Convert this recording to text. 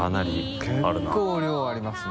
結構量ありますね。